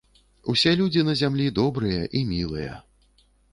Усе людзі на зямлі добрыя і мілыя.